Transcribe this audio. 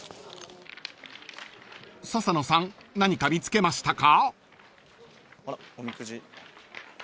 ［笹野さん何か見つけましたか？］